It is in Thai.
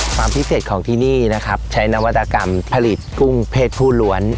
ความพิเศษของที่นี่นะครับใช้นวัตกรรมผลิตกุ้งเพศผู้ล้วน